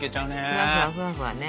ふわふわふわふわね。